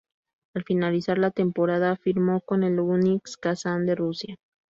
Al finalizar la temporada firmó con el Unics Kazán de Rusia.